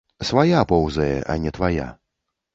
Свая поўзае, а не твая.